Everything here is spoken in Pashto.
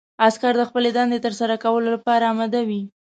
عسکر د خپلې دندې ترسره کولو لپاره اماده وي.